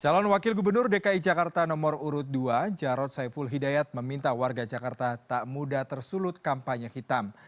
calon wakil gubernur dki jakarta nomor urut dua jarod saiful hidayat meminta warga jakarta tak mudah tersulut kampanye hitam